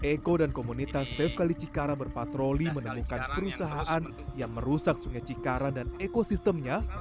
eko dan komunitas safe kali cikarang berpatroli menemukan perusahaan yang merusak sungai cikarang dan ekosistemnya